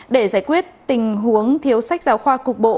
để giải quyết tình huống thiếu sách giáo khoa cục bộ